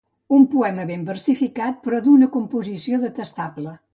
Un poema ben versificat però d'una composició detestable.